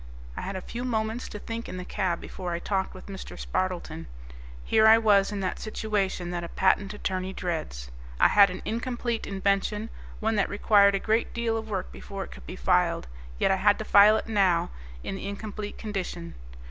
I had a few moments to think in the cab before I talked with Mr. Spardleton. Here I was in that situation that a patent attorney dreads. I had an incomplete invention, one that required a great deal of work before it could be filed, yet I had to file now in the incomplete condition.